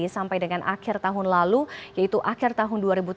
sampai dengan akhir tahun lalu yaitu akhir tahun dua ribu tujuh belas